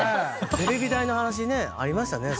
テレビ台の話ねありましたね。